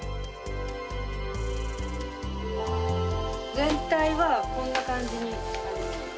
全体はこんな感じに。